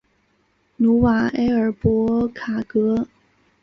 努瓦埃尔博卡格。